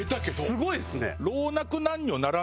すごいですね。